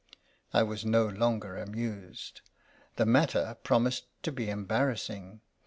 I was no longer amused. The matter promised to be embarrassing.